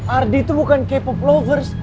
ardi itu bukan k pop lovers